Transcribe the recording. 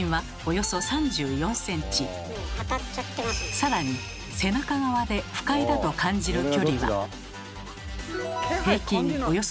更に背中側で不快だと感じる距離は。